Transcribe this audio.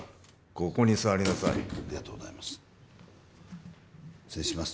ここに座りなさいありがとうございます失礼します